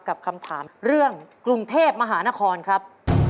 กับคำถามเรื่องกรุงเทพมหานครครับ